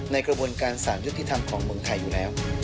ในกระบวนการสารยุติธรรมของเมืองไทยอยู่แล้ว